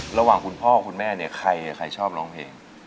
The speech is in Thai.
คุณพ่อคุณแม่เนี่ยใครชอบร้องเพลง